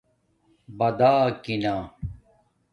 باداکینݳ